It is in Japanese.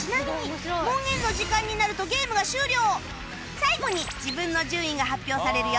最後に自分の順位が発表されるよ